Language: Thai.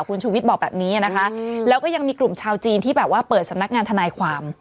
คุณชูวิทย์บอกแบบนี้นะคะแล้วก็ยังมีกลุ่มชาวจีนที่แบบว่าเปิดสำนักงานทนายความ